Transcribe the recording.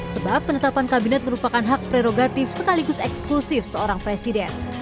sebab penetapan kabinet merupakan hak prerogatif sekaligus eksklusif seorang presiden